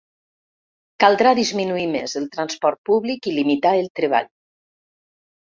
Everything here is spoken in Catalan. Caldrà disminuir més el transport públic i limitar el treball.